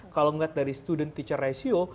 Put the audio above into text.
kalau ngeliat dari student teacher ratio